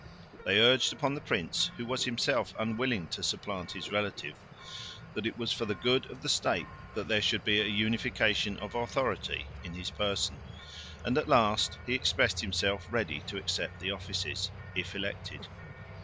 They urged upon the prince, who was himself unwilling to supplant his relative, that it was for the good of the State that there should be a unification of authority in his person; and at last he expressed himself ready to accept the offices, if elected.